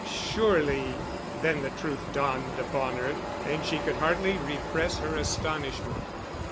Surely.... Then the truth dawned upon her, and she could hardly repress her astonishment.